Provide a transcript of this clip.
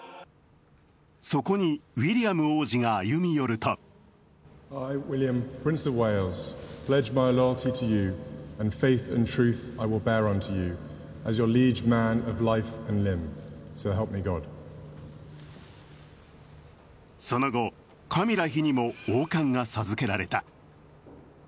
そこにウィリアム王子が歩み寄るとその後、カミラ妃にも王冠が授けられた。